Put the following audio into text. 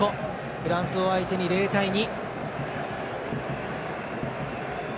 フランスを相手に０対２。